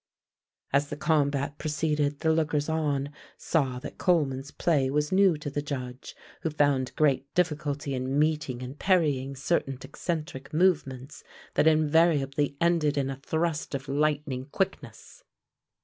As the combat proceeded, the lookers on saw that Coleman's play was new to the Judge, who found great difficulty in meeting and parrying certain eccentric movements that invariably ended in a thrust of lightning quickness.